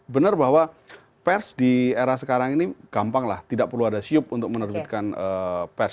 benar bahwa pers di era sekarang ini gampang lah tidak perlu ada siup untuk menerbitkan pers